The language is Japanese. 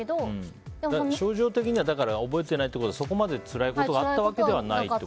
症状的には覚えてないってことはそこまでつらいことがあったわけではないと。